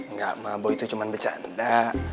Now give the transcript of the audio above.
nggak ma boy itu cuma bercanda